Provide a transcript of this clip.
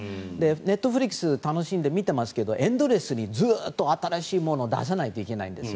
ネットフリックス楽しんで見ていますがエンドレスにずっと新しいものを出さないといけないんです。